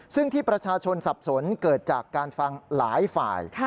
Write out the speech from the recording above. ซึ่งที่ประชาชนสับสนเกิดจากการฟังหลายฝ่าย